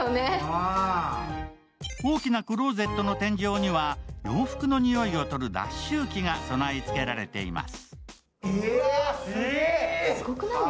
大きなクローゼットの中には洋服の臭いを取る脱臭機が備え付けられています。